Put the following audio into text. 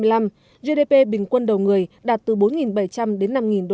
đến năm hai nghìn hai mươi năm gdp bình quân đầu người đạt từ bốn bảy trăm linh đến năm usd